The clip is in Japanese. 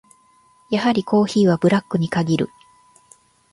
やはりコーヒーはブラックに限る。